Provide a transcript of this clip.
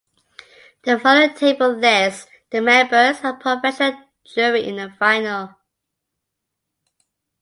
The following table lists the members of the professional jury in the final.